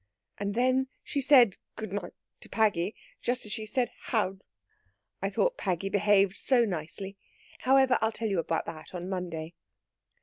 And then she said goodn to Paggy just as she had said howd. I thought Paggy behaved so nicely. However, I'll tell you all about that on Monday.